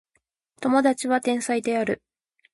友達は天才である